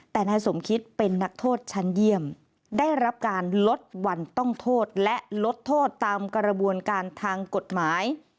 แต่นายสมคิดเป็นนักโทษชั้นเยี่ยมได้รับการลดวันต้องโทษและลดโทษตามกระบวนการทางกฎหมาย